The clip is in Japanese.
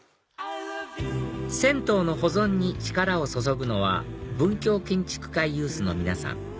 銭湯の保存に力を注ぐのは文京建築会ユースの皆さん